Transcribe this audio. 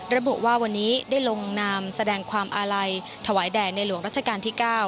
ระบุว่าวันนี้ได้ลงนามแสดงความอาลัยถวายแด่ในหลวงรัชกาลที่๙